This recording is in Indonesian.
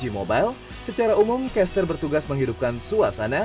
empat g mobile secara umum caster bertugas menghidupkan suasana